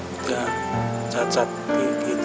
sudah cacat begitu